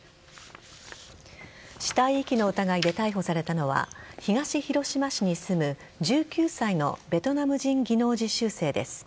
死体遺棄の疑いで逮捕されたのは東広島市に住む１９歳のベトナム人技能実習生です。